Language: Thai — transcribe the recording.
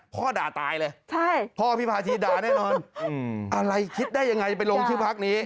พ่อด่าตายเลยพ่อพิพาธีด่าแน่นอนอะไรคิดได้ยังไงไปลงชื่อพักนี้